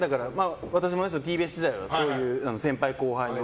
私もＴＢＳ時代はそういう先輩後輩の。